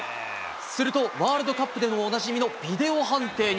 すると、ワールドカップでもおなじみのビデオ判定に。